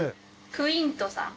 クイントさん。